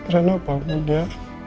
rena bangun ya